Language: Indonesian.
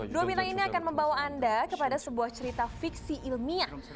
dua bintang ini akan membawa anda kepada sebuah cerita fiksi ilmiah